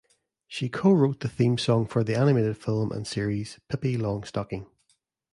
She co-wrote the theme song for the animated film and series "Pippi Longstocking".